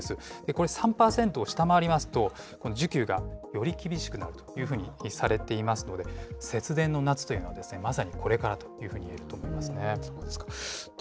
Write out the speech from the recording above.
これ、３％を下回りますと、じゅきゅうがより厳しくなるというふうにされていますので、節電の夏というのは、まさにこれからというふうにいえると思いますね。